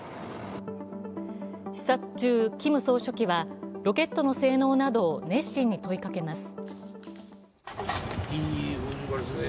視察中、キム総書記はロケットの性能などを熱心に問いかけます。